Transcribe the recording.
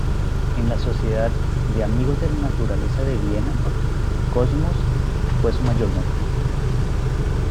En la Sociedad de Amigos de la Naturaleza de Viena "Cosmos", fue su mayordomo.